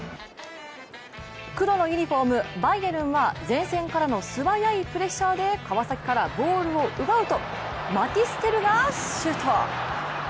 黒のユニフォーム、バイエルンは前線からの素早いプレッシャーで川崎からボールを奪うと、マティス・テルがシュート。